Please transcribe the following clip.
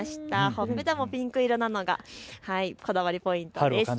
ほっぺたもピンク色なのがこだわりポイントです。